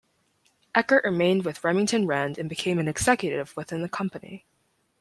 Eckert remained with Remington Rand and became an executive within the company.